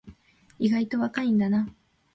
意外と若いんだな